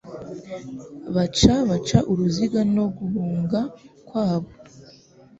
Baca baca uruziga no guhunga kwabo